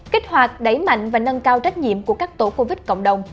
kích hoạt đẩy mạnh và nâng cao trách nhiệm của các tổ covid cộng đồng